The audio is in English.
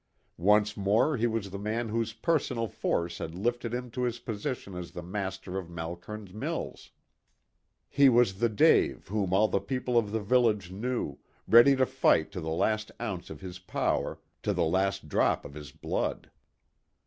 Once more he was the man whose personal force had lifted him to his position as the master of Malkern mills. He was the Dave whom all the people of the village knew, ready to fight to the last ounce of his power, to the last drop of his blood.